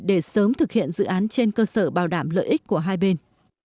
để sớm thực hiện dự án trên cơ sở bảo đảm lợi ích của hai bên